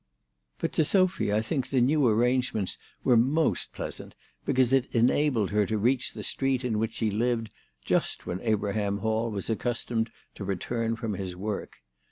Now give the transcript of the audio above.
But to Sophy I think the new arrangements were most pleasant because it enabled her to reach the street in which she lived just when Abraham Hall was accus tomed to return from his work.